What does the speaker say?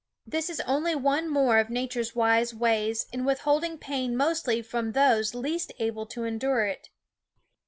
This is only one more of Nature's wise ways, in withhold ing pain mostly from those least able to endure it.